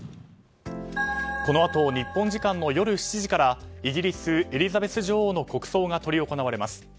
このあと日本時間の夜７時からイギリス、エリザベス女王の国葬が執り行われます。